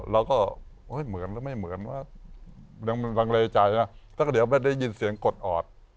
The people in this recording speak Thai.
เราก็เหมือนหรือไม่เหมือนแล้วเรารางเลจัยแล้วแต่เดี๋ยวไม่ได้ยินเสียงกดออด